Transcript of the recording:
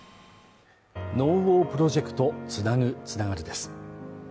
「「ＮＯＷＡＲプロジェクトつなぐつながる」です